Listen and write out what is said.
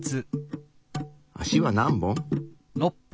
足は何本？